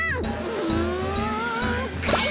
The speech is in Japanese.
うんかいか！